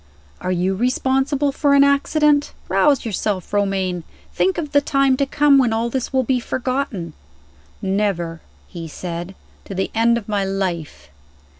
Are you responsible for an accident? Rouse yourself, Romayne! Think of the time to come, when all this will be forgotten." "Never," he said, "to the end of my life."